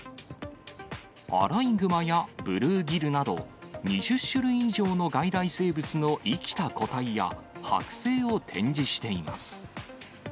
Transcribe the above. アライグマやブルーギルなど、２０種類以上の外来生物の生きた個体や剥製を展示しています。